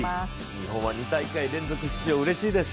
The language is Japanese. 日本は２大会連続出場、うれしいです。